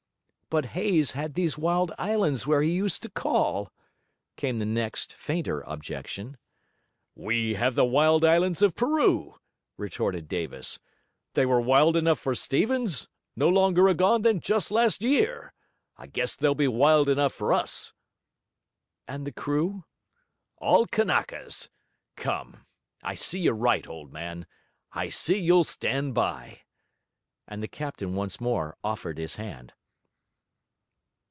'But Hayes had these wild islands where he used to call,' came the next fainter objection. 'We have the wild islands of Peru,' retorted Davis. 'They were wild enough for Stephens, no longer agone than just last year. I guess they'll be wild enough for us.' 'And the crew?' 'All Kanakas. Come, I see you're right, old man. I see you'll stand by.' And the captain once more offered his hand.